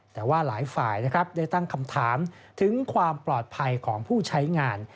แต่ว่าหลายฝ่ายนะครับได้ตั้งคำถามถึงความปลอดภัยของผู้ใช้งาน